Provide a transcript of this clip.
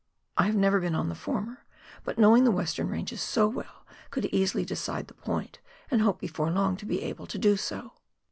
I have never been on the former, but knowing the "Western Ranges so well could easily decide the point, and hope before long to be able to do so.